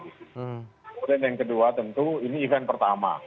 kemudian yang kedua tentu ini event pertama